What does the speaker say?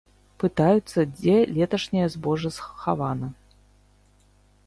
Пытаюцца, дзе леташняе збожжа схавана.